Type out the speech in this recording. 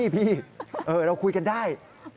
พี่เราคุยกันได้